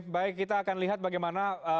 baik kita akan lihat bagaimana